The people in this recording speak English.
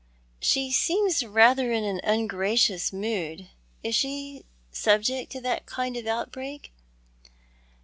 "She seems rather in an ungracious mood. Is she subject to that kind of outbreak